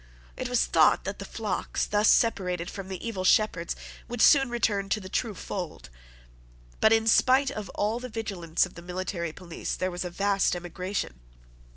It was thought that the flocks, thus separated from the evil shepherds, would soon return to the true fold. But in spite of all the vigilance of the military police there was a vast emigration.